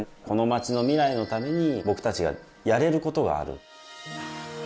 この街のミライのために僕たちがやれることがある。